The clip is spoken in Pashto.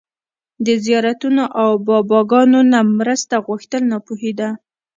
د زيارتونو او باباګانو نه مرسته غوښتل ناپوهي ده